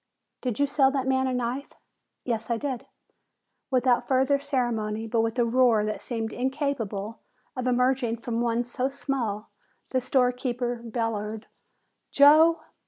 "Did you sell that man a knife?" "Yes, I did." Without further ceremony, but with a roar that seemed incapable of emerging from one so small, the storekeeper bellowed, "Joe!"